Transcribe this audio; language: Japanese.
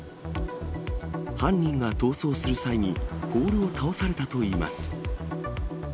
犯人が逃走する際にポールを倒されたといいます。